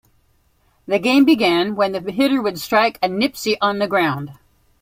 The game began when the hitter would strike a nipsie on the ground.